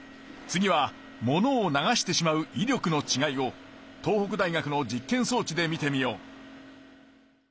次は物を流してしまういりょくのちがいを東北大学の実験そう置で見てみよう。